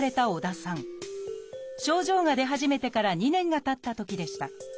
症状が出始めてから２年がたったときでした。